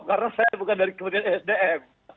karena saya bukan dari kemudian esdm